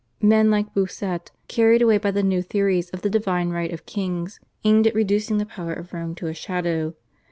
Men like Bossuet, carried away by the new theories of the divine right of kings, aimed at reducing the power of Rome to a shadow.